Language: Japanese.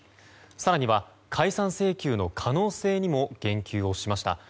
更には、解散請求の可能性にも言及をしました。